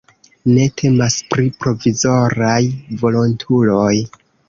Ne temas pri "provizoraj" volontuloj.